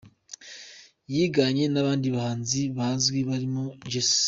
Yiganye n’abandi bahanzi bazwi barimo Jessie J.